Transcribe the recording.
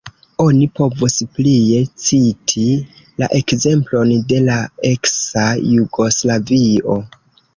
Oni povus plie citi la ekzemplon de la eksa Jugoslavio.